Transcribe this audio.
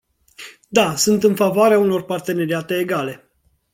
Da, sunt în favoarea unor parteneriate egale!